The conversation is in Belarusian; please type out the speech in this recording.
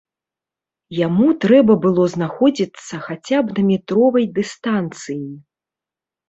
Яму трэба было знаходзіцца хаця б на метровай дыстанцыі.